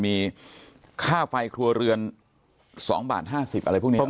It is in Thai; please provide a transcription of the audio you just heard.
มีค่าไฟครัวเรือน๒บาท๕๐อะไรพวกนี้